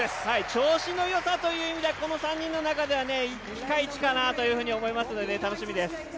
調子のよさという意味ではこの３人中ではピカイチかなというふうに思いますので楽しみです。